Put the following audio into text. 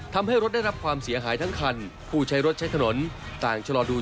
ทำให้รถได้รับความเสียหายทั้งคันผู้ใช้รถใช้ถนนต่างชะลอดู